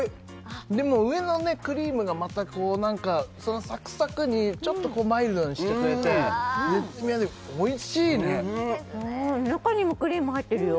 でも上のクリームがまたこうなんかそのサクサクにちょっとマイルドにしてくれて絶妙においしいねすごい中にもクリーム入ってるよ